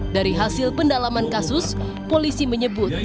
dari hasil pendalaman kasus polisi menyebut